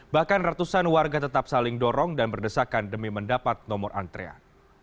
bahkan ratusan warga tetap saling dorong dan berdesakan demi mendapat nomor antrean